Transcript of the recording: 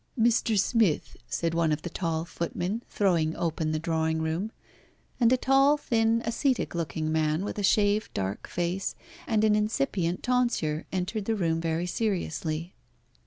"Mr. Smith," said one of the tall footmen, throwing open the drawing room, and a tall, thin, ascetic looking man, with a shaved, dark face, and an incipient tonsure, entered the room very seriously.